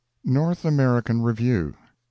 NORTH AMERICAN REVIEW. No.